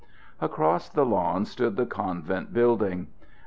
Across the lawn stood the convent building.